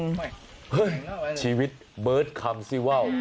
เฮ้ยชีวิตเบิร์ตคำซิว่าว